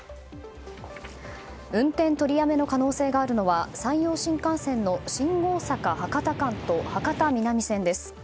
運転取りやめの可能性があるのは山陽新幹線の新大阪博多間と博多南線です。